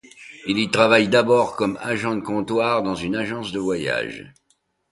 Il y travaille d'abord comme agent de comptoir dans une agence de voyages.